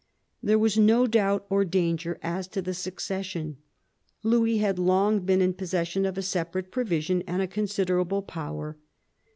There was no doubt or danger as to the succession. Louis had long been in possession of a separate provision and a considerable power.